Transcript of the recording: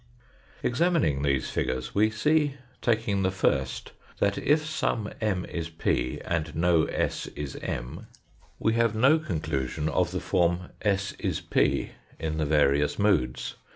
Examining these figures, we see, taking the first, that jf some M is P and no S is M, we have no conclusion of 104 THE FOURTH DIMENSION the form s is p in the various moods.